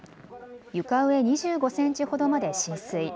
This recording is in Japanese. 床上２５センチほどまで浸水。